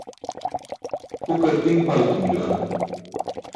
Hukar ti̇n pʰal etum juwan.